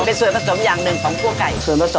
เป็นส่วนผสมอย่างหนึ่งของขั้วไก่